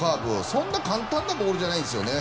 そんなに簡単なボールじゃないんですよね